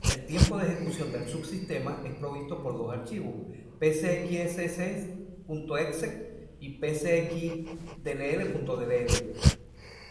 El tiempo de ejecución del subsistema es provisto por dos archivos: psxss.exe y psxdll.dll.